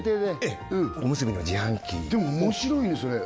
ええおむすびの自販機でも面白いね